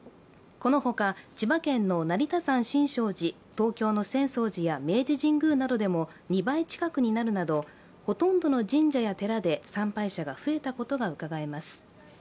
このほか千葉県の成田山新勝寺、東京の浅草寺や明治神宮などでも２倍近くになるなどほとんどの神社や寺で参拝者が増えたことがうかがえます。